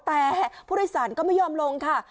แต่ผู้โดยสารก็ไม่ยอมลงค่ะ